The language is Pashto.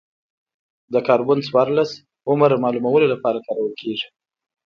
د کاربن څورلس عمر معلومولو لپاره کارول کېږي.